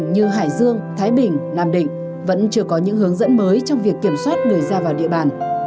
như hải dương thái bình nam định vẫn chưa có những hướng dẫn mới trong việc kiểm soát người ra vào địa bàn